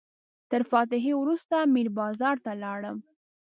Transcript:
تر فاتحې وروسته میر بازار ته لاړم.